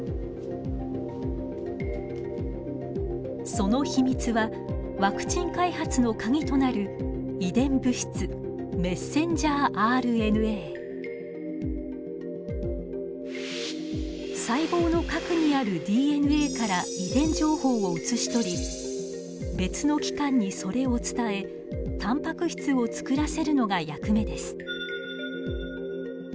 その秘密はワクチン開発のカギとなる細胞の核にあるＤＮＡから遺伝情報を写し取り別の器官にそれを伝えタンパク質を作らせるのが役目です。